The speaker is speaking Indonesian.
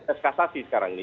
dalam diskusasi sekarang ini